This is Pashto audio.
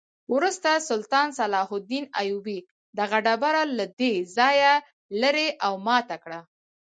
وروسته سلطان صلاح الدین ایوبي دغه ډبره له دې ځایه لرې او ماته کړه.